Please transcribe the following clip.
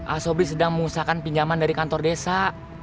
ah sobri sedang mengusahakan pinjaman dari kantor desa